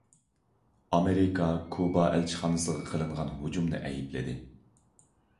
ئامېرىكا كۇبا ئەلچىخانىسىغا قىلىنغان ھۇجۇمنى ئەيىبلىدى.